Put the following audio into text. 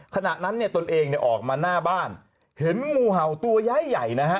ขณะนั้นเนี่ยตนเองเนี่ยออกมาหน้าบ้านเห็นงูเห่าตัวย้ายใหญ่นะฮะ